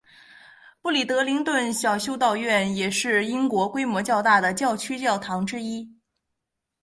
布里德灵顿小修道院也是英国规模较大的教区教堂之一。